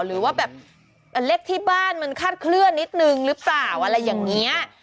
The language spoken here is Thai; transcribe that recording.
หรือว่าแบบเลขที่บ้านมันคาดเคลื่อนนิดนึงหรือเปล่าอะไรอย่างนี้